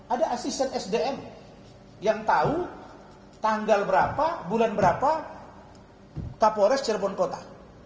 ada asisten sdm yang tahu tanggal berapa bulan berapa kapolres cirebon kota